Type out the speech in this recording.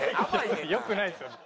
良くないですよね。